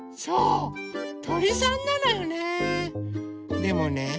でもね